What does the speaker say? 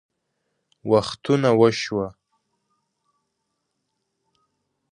وختونه وشوه